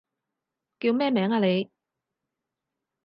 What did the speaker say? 叫咩名啊你？